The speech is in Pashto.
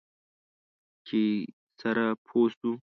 چې سره پوه شو.